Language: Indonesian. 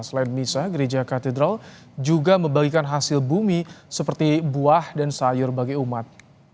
selain misa gereja katedral juga membagikan hasil bumi seperti buah dan sayur bagi umat